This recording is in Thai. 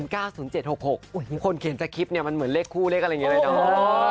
คนเขียนสคริปต์เนี่ยมันเหมือนเลขคู่เลขอะไรอย่างนี้เลยเนาะ